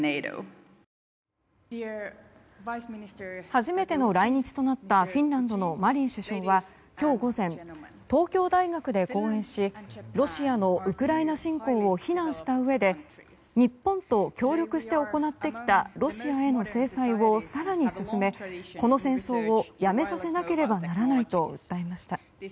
初めての来日となったフィンランドのマリン首相は今日午前東京大学で講演しロシアのウクライナ侵攻を非難したうえで日本と協力して行ってきたロシアへの制裁を更に進めこの戦争をやめさせなければならないと訴えました。